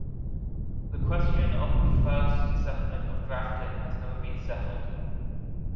The question of the first settlement of Grafton has never been settled.